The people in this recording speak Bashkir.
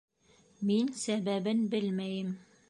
Мин сәбәбен белмәйем